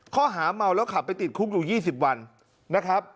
เขาหาเมาแล้วขับไปติดคุกอยู่ยี่สิบวันนะครับ